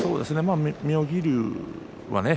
妙義龍はね